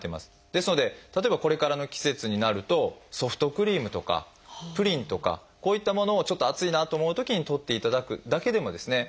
ですので例えばこれからの季節になるとソフトクリームとかプリンとかこういったものをちょっと暑いなと思うときにとっていただくだけでもですね